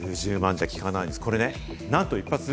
数十万じゃきかないんです。